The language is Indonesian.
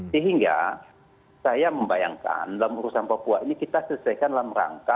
sehingga saya membayangkan dalam urusan papua ini kita selesaikan dalam rangka